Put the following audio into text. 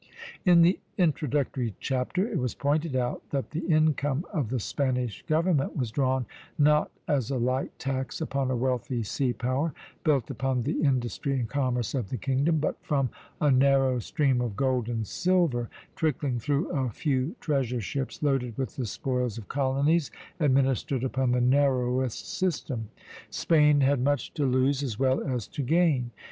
In the introductory chapter it was pointed out that the income of the Spanish government was drawn, not as a light tax upon a wealthy sea power, built upon the industry and commerce of the kingdom, but from a narrow stream of gold and silver trickling through a few treasure ships loaded with the spoils of colonies administered upon the narrowest system. Spain had much to lose, as well as to gain.